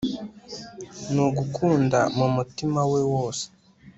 Nugukunda mumutima we wose